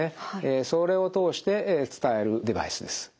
それを通して伝えるデバイスです。